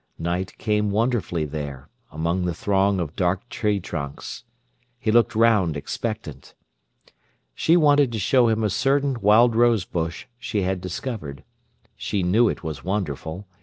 Night came wonderfully there, among the throng of dark tree trunks. He looked round, expectant. She wanted to show him a certain wild rose bush she had discovered. She knew it was wonderful.